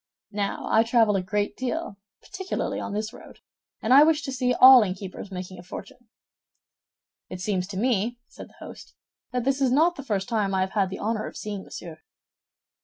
Now, I travel a great deal, particularly on this road, and I wish to see all innkeepers making a fortune." "It seems to me," said the host, "that this is not the first time I have had the honor of seeing Monsieur."